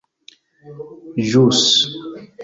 ĵus